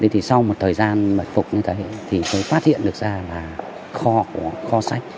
thì sau một thời gian mật phục như thế thì mới phát hiện được ra là kho của kho sách